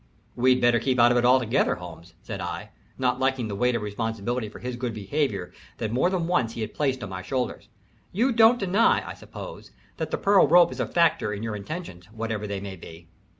"We'd better keep out of it altogether, Holmes," said I, not liking the weight of responsibility for his good behavior that more than once he had placed on my shoulders. "You don't deny, I suppose, that the pearl rope is a factor in your intentions, whatever they may be."